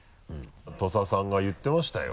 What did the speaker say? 土佐さんが言ってましたよ。